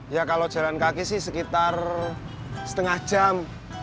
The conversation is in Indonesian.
ya kalau jalan kaki sih sekitar setengah jam